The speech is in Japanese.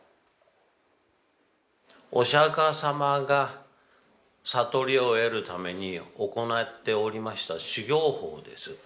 お釈迦様が悟りを得るために行っておりました修行法です。